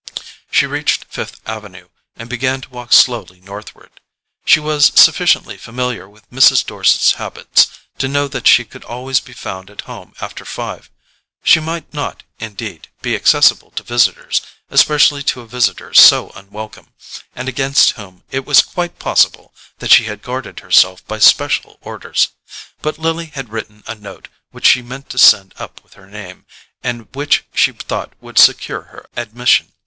She reached Fifth Avenue and began to walk slowly northward. She was sufficiently familiar with Mrs. Dorset's habits to know that she could always be found at home after five. She might not, indeed, be accessible to visitors, especially to a visitor so unwelcome, and against whom it was quite possible that she had guarded herself by special orders; but Lily had written a note which she meant to send up with her name, and which she thought would secure her admission.